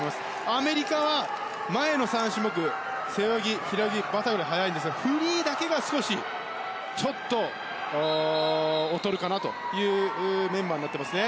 アメリカは前の３種目背泳ぎ、平泳ぎ、バタフライが速いんですがフリーだけが少しちょっと劣るかなというメンバーになっていますね。